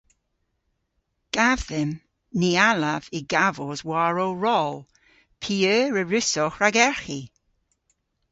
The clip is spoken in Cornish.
"Gav dhymm, ny allav y gavos war ow rol. P'eur a wrussowgh ragerghi?"